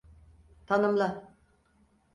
Tanımla.